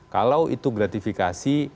kalau itu gratifikasi